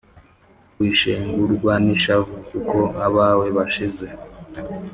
Wishengurwa n'ishavu Kuko abawe bashize